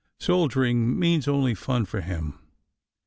Soldiering means only fun for him.